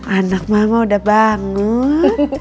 anak mama udah bangun